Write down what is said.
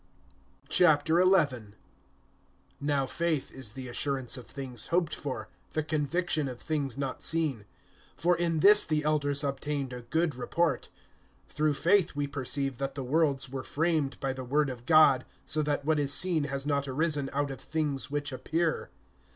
XI. NOW faith is the assurance of things hoped for[11:1], the conviction of things not seen. (2)For in this the elders obtained a good report. (3)Through faith we perceive that the worlds were framed by the word of God, so that what is seen has not arisen[11:3] out of things which appear.